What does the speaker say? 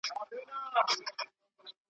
چي ما په خپل ټول ژوند کي ,